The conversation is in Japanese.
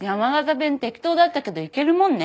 弁適当だったけどいけるもんね。